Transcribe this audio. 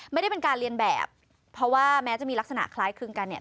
ไม่ได้เป็นการเรียนแบบเพราะว่าแม้จะมีลักษณะคล้ายคลึงกันเนี่ย